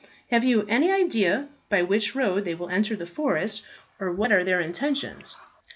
Have you any idea by which road they will enter the forest, or what are their intentions?"